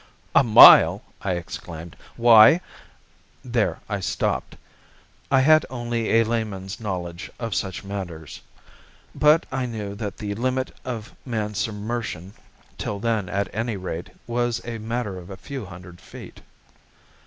"A mile!" I exclaimed. "Why " There I stopped. I had only a layman's knowledge of such matters. But I knew that the limit of man's submersion, till then at any rate, was a matter of a few hundred feet.